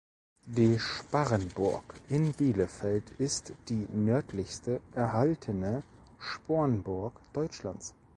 Die Sparrenburg in Bielefeld ist die nördlichste erhaltene Spornburg Deutschlands.